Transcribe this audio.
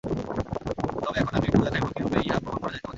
তবে এখন আমি এইটুকু দেখাইব, কিরূপে ইহা প্রমাণ করা যাইতে পারে।